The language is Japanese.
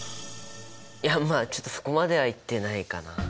いやまあちょっとそこまではいってないかなあ。